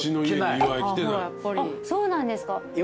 そうなんですか？